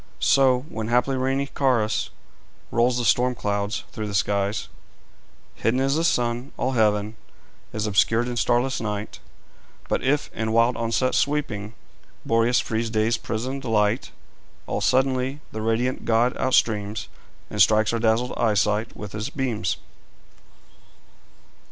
So, when haply rainy Caurus Rolls the storm clouds through the skies, Hidden is the sun; all heaven Is obscured in starless night. But if, in wild onset sweeping, Boreas frees day's prisoned light, All suddenly the radiant god outstreams, And strikes our dazzled eyesight with his beams.